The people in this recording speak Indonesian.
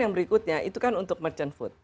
yang berikutnya itu kan untuk merchant food